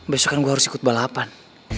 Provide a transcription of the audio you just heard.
besok kan gue harus ikut balapan